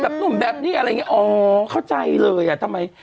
หนุ่มแบบนี้อะไรอย่างเงี้อ๋อเข้าใจเลยอ่ะทำไม